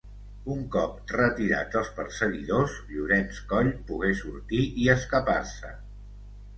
Un cop retirats els perseguidors, Llorenç Coll pogué sortir i escapar-se.